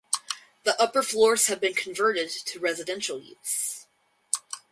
The upper floors have been converted to residential use.